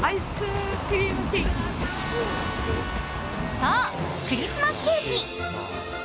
そう、クリスマスケーキ！